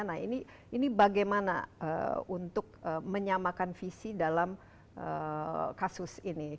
nah ini bagaimana untuk menyamakan visi dalam kasus ini